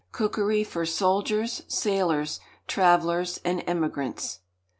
Cookery for Soldiers Sailors, Travellers, and Emigrants.